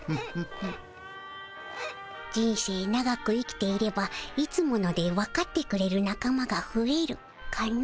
人生長く生きていれば「いつもの」でわかってくれる仲間がふえるかの？